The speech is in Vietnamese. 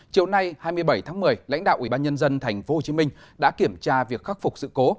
chiều nay hai mươi bảy tháng một mươi lãnh đạo ủy ban nhân dân tp hcm đã kiểm tra việc khắc phục sự cố